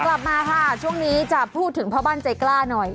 กลับมาค่ะช่วงนี้จะพูดถึงพ่อบ้านใจกล้าหน่อย